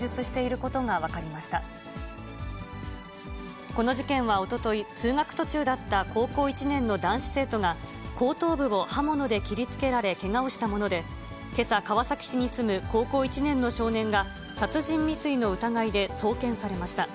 この事件はおととい、通学途中だった高校１年の男子生徒が、後頭部を刃物で切りつけられけがをしたもので、けさ、川崎市に住む高校１年の少年が、殺人未遂の疑いで送検されました。